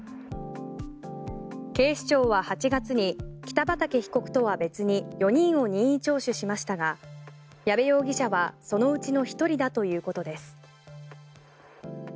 警視庁は８月に北畠被告とは別に４人を任意聴取しましたが矢部容疑者はそのうちの１人だということです。